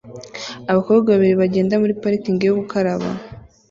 Abakobwa babiri bagenda muri parikingi yo gukaraba